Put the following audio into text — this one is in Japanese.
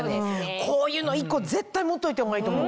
こういうの１個絶対持っといた方がいいと思う。